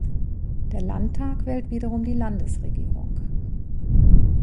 Der Landtag wählt wiederum die Landesregierung.